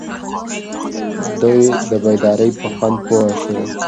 دی د بیدارۍ په خوند پوه شو.